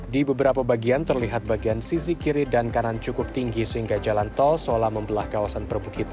di beberapa bagian terlihat bagian sisi kiri dan kanan cukup tinggi sehingga jalan tol seolah membelah kawasan perbukitan